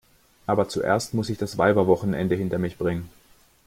Aber zuerst muss ich das Weiberwochenende hinter mich bringen.